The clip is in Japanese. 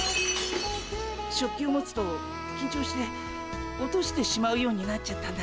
食器を持つときんちょうして落としてしまうようになっちゃったんだ。